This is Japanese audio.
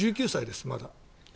１９歳です、まだ。